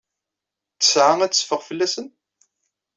Ttesɛa ad teffeɣ fell-asen?